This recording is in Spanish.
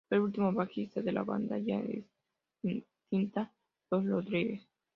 Fue el último bajista de la banda ya extinta Los Rodríguez.